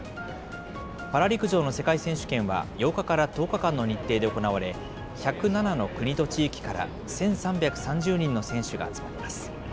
パラ陸上の世界選手権は８日から１０日間の日程で行われ、１０７の国と地域から１３３０人の選手が集まります。